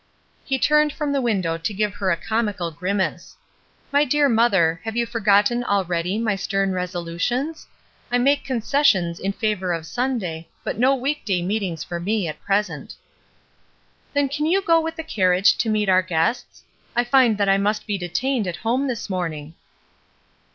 He turned from the window to give her a comical grimace. ''My dear mother, have you forgotten already my stern resolutions? I make concessions in favor of Sunday, but no week day meetings for me at present." ''Then can you go with the carriage to meet our guests? I find that I must be detained at home this morning."